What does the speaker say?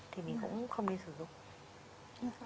thì mình cũng không nên sử dụng